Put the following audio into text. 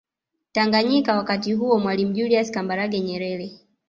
Tanganyika wakati huo Mwalimu juliusi Kambarage Nyerere